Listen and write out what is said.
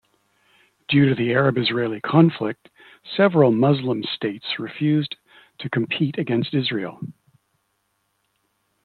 Due to the Arab-Israeli conflict, several Muslim states refused to compete against Israel.